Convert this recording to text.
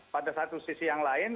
pada satu sisi yang lain